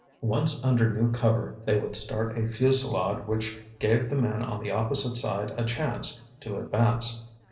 Once under new cover, they would start a fusillade which gave the men on the opposite side a chance to advance.